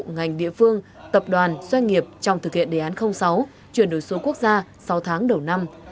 ngành địa phương tập đoàn doanh nghiệp trong thực hiện đề án sáu chuyển đổi số quốc gia sáu tháng đầu năm